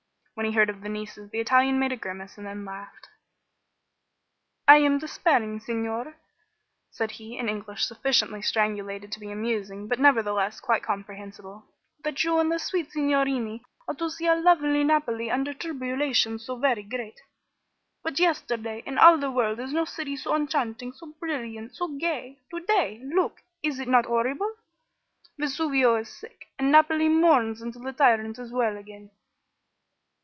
When he heard of the nieces the Italian made a grimace and then laughed. "I am despairing, signore," said he, in English sufficiently strangulated to be amusing but nevertheless quite comprehensible, "that you and the sweet signorini are to see our lovely Naples under tribulations so very great. But yesterday, in all the world is no city so enchanting, so brilliant, so gay. To day look! is it not horrible? Vesuvio is sick, and Naples mourns until the tyrant is well again."